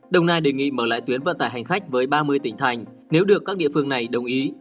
đồng nai đề nghị mở lại tuyến vận tải hành khách với ba mươi tỉnh thành nếu được các địa phương này đồng ý